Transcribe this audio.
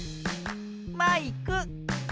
マイク。